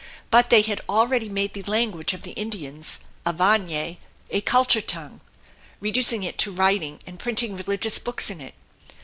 But they had already made the language of the Indians, Guarany, a culture tongue, reducing it to writing, and printing religious books in it.